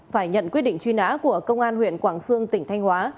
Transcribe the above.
phải nhận quyết định truy nã của công an huyện quảng sương tỉnh thanh hóa